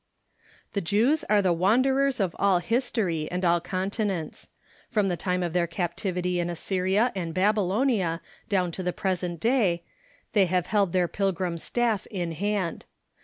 The Jews are the wanderers of all history and all conti nents. From the time of their captivity in Assyria and Bab ylonia down to the present dav, they have held Dispersed Jews ....^^^ j their pilgrim staff in hand.